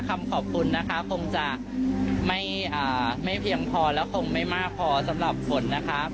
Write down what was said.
คำขอบคุณนะคะคงจะไม่เพียงพอและคงไม่มากพอสำหรับฝนนะคะ